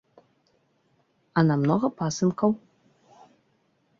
А на многа пасынкаў?